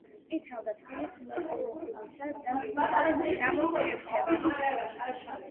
იცავდა თბილისის „ლოკომოტივისა“ და თბილისის „დინამოს“ ღირსებას.